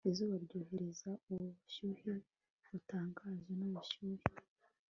izuba ryohereza ubushyuhe butangaje nubushyuhe